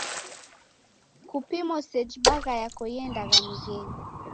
Kupimo seji bagha yako iendagha mighenyi.